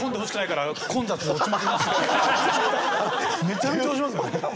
めちゃめちゃ押しますよね。